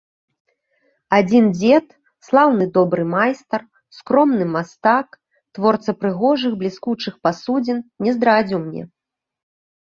Адзін дзед, слаўны добры майстар, скромны мастак, творца прыгожых бліскучых пасудзін, не здрадзіў мне.